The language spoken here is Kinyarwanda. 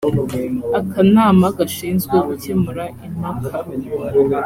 akanama gashinzwe gukemura impaka